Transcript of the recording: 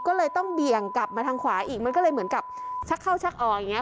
ก็เลยต้องเบี่ยงกลับมาทางขวาอีกมันก็เลยเหมือนกับชักเข้าชักออกอย่างนี้